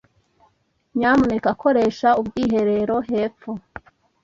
Nyamuneka koresha ubwiherero hepfo.